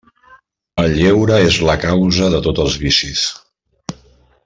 El lleure és la causa de tots els vicis.